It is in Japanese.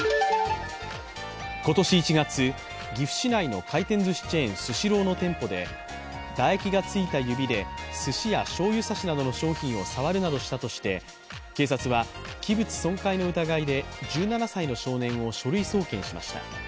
今年１月、岐阜市内の回転ずしチェーン、スシローの店舗で唾液がついた指ですしやしょうゆ差しなどの商品を触るなどしたとして、警察は器物損壊の疑いで１７歳の少年を書類送検しました。